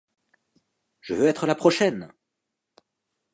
Je veux être la prochaine !